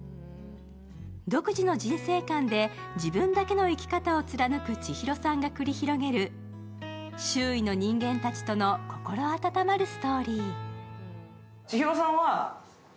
独自の人生観で自分だけの生き方を貫くちひろさんが繰り広げる周囲の人間たちとの心温まるストーリー。